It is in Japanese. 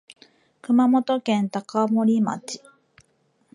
熊本県高森町